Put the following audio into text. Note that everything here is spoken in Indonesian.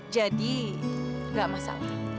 jadi gak masalah